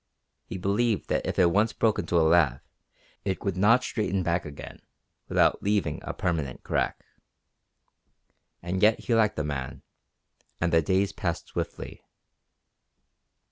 He believed that if it once broke into a laugh it would not straighten back again without leaving a permanent crack. And yet he liked the man, and the days passed swiftly.